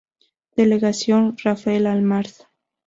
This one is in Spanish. Delegación: Rafael Almarza